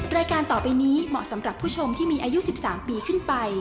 รายการต่อไปนี้เหมาะสำหรับผู้ชมที่มีอายุ๑๓ปีขึ้นไป